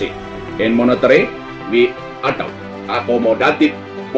di moneteri kami mengadopsi polisi akomodatif